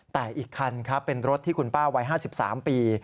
แต่อีกคันครับเป็นรถที่คุณป้าวัย๕๓ปี